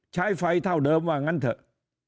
ใช้ไฟเท่าเดิมว่างั้นเถอะ